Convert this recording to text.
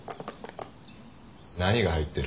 何が入ってる？